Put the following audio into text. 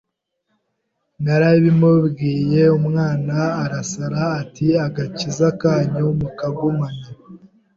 narabimubwiye umwana arasara ati agakiza kanyu mukagumane